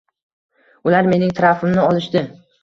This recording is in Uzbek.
Ular mening tarafimni olishdi.